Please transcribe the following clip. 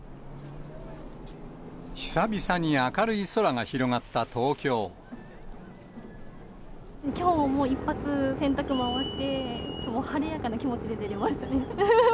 久々に明るい空が広がった東きょうはもう、一発洗濯回して、もう晴れやかな気持ちで出れましたね。